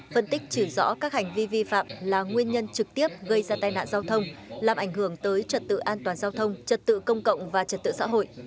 phân tích chỉ rõ các hành vi vi phạm là nguyên nhân trực tiếp gây ra tai nạn giao thông làm ảnh hưởng tới trật tự an toàn giao thông trật tự công cộng và trật tự xã hội